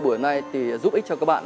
buổi hôm nay thì giúp ích cho các bạn